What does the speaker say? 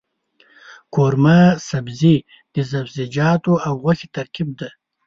قورمه سبزي د سبزيجاتو او غوښې ترکیب دی.